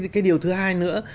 cái điều thứ hai nữa